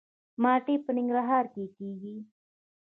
مالټې په ننګرهار کې کیږي